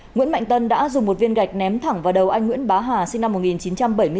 nguyễn mạnh tân đã dùng một viên gạch ném thẳng vào đầu anh nguyễn bá hà sinh năm một nghìn chín trăm bảy mươi sáu